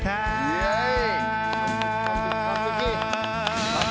イエーイ！